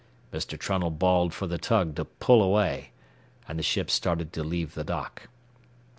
Mr. Trunnell bawled for the tug to pull away, and the ship started to leave the dock.